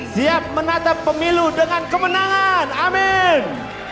siap menatap pemilu dengan kemenangan amin